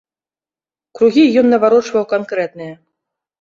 Кругі ён наварочваў канкрэтныя.